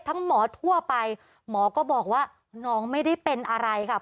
หมอทั่วไปหมอก็บอกว่าน้องไม่ได้เป็นอะไรค่ะ